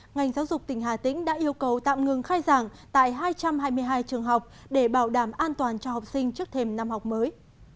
ngành giáo dục tỉnh hà tĩnh đã yêu cầu tạm ngừng khai giảng tại hai trăm hai mươi hai trường học để bảo đảm an toàn cho học sinh trước thềm năm học mới